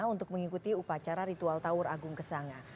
untuk mengikuti upacara ritual taur agung kesanga